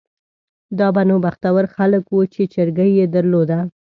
دا به نو بختور خلک وو چې چرګۍ یې درلوده.